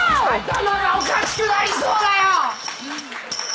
頭がおかしくなりそうだよ！